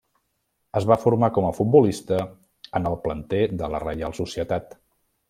Es va formar com futbolista en el planter de la Reial Societat.